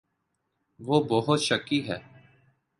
وہ بہت شکی ہے